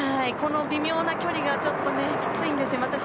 この微妙な距離がちょっときついんですよね。